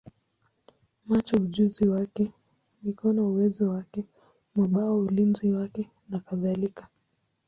macho ujuzi wake, mikono uwezo wake, mabawa ulinzi wake, nakadhalika.